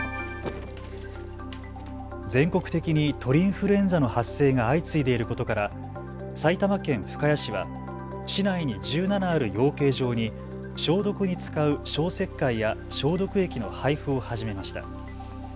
全国的に鳥インフルエンザの発生が相次いでいることから埼玉県深谷市は市内に１７ある養鶏場に消毒に使う消石灰や消毒液の配付を始めました。